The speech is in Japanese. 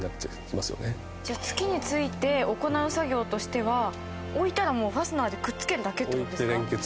じゃあ月に着いて行う作業としては置いたらもうファスナーでくっつけるだけって事ですか？